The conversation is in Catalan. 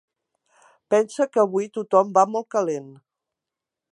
Pensa que avui tothom va molt calent.